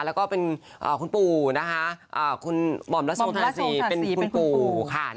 แล้วก็เป็นคุณปู่นะคะคุณหม่อมรัชงทาสีเป็นคุณปู่ค่ะ